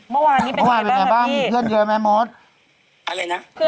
เมื่อวานเป็นไงบ้างมีเพื่อนเยอะไหมมทร